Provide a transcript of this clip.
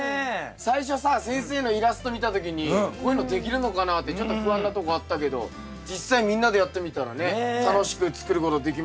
最初さ先生のイラスト見た時にこういうのできるのかなってちょっと不安なとこあったけど実際みんなでやってみたらね楽しく作ることできましたけど。